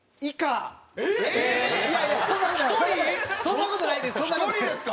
そんな事ないです